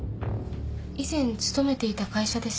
以前勤めていた会社です。